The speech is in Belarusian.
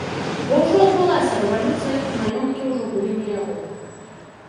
Бо ўжо адбылася рэвалюцыя і маёнткі ўжо былі не яго.